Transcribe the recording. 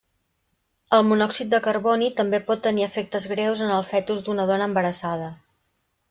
El monòxid de carboni també pot tenir efectes greus en el fetus d'una dona embarassada.